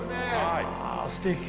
あすてき！